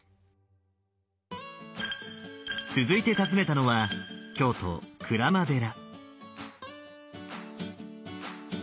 続いて訪ねたのは京都・鞍馬寺。